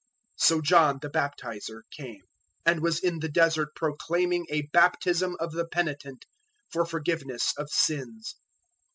'" 001:004 So John the Baptizer came, and was in the Desert proclaiming a baptism of the penitent for forgiveness of sins.